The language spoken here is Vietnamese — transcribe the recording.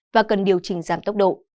và cần điều chỉnh giảm tốc độ